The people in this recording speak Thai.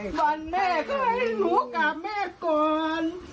วันแม่ก็ให้หนูกับแม่ก่อน